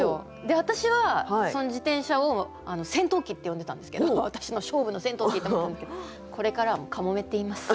私はその自転車を「戦闘機」って呼んでたんですけど「私の勝負の戦闘機」って思ってたんですけどこれからはもう「かもめ」って言います。